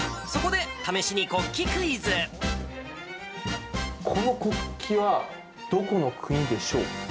そこで、この国旗はどこの国でしょう